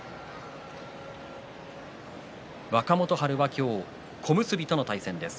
若元春は今日小結との対戦です。